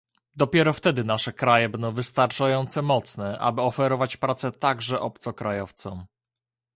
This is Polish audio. Dopiero wtedy nasze kraje będą wystarczająco mocne, aby oferować pracę także obcokrajowcom